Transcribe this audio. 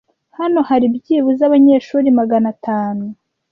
Hano hari byibuze abanyeshuri Magana atanu.